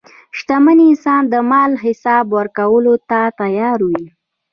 شتمن انسان د مال حساب ورکولو ته تیار وي.